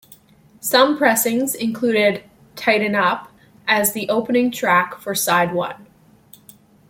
Some pressings included "Tighten Up" as the opening track for side one.